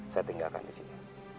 saya tinggalkan di sini